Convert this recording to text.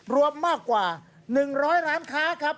รวมมากกว่า๑๐๐ร้านค้าครับ